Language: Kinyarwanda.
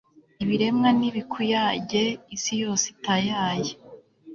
ibiremwa nibikuyage, isi yose itayaye